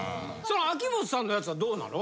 秋元さんのやつはどうなの？